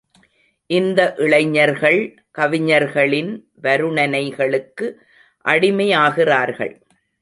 இந்த இளைஞர்கள் கவிஞர்களின் வருணனைகளுக்கு அடிமையாகிறார்கள்.